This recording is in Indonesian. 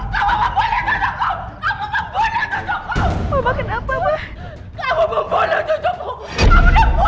kamu kamu kamu membunuh cucuku kamu membunuh cucuku